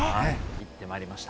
行ってまいりました。